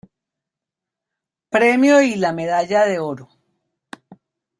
Premio y la Medalla de Oro.